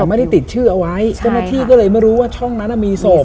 ไม่ได้ติดชื่อเอาไว้เจ้าหน้าที่ก็เลยไม่รู้ว่าช่องนั้นมีศพ